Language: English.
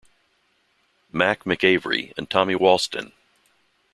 "Mac" McAvery and Tommy Walston.